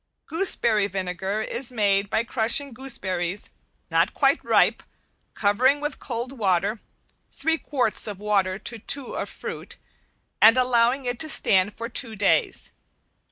Gooseberry vinegar is made by crushing gooseberries not quite ripe, covering with cold water (three quarts of water to two of fruit) and allowing it to stand for two days.